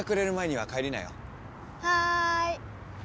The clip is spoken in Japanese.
はい。